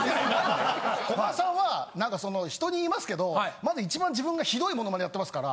古賀さんは人に言いますけどまず一番自分がひどいモノマネやってますから。